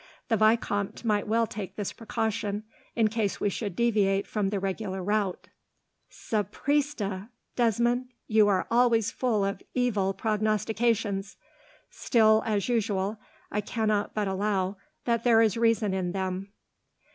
The vicomte might well take this precaution, in case we should deviate from the regular route." "Sapriste! Desmond, you are always full of evil prognostications. Still, as usual, I cannot but allow that there is reason in them."